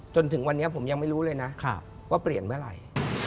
จนถึงวันนี้ผมยังไม่รู้เลยนะว่าเปลี่ยนเมื่อไหร่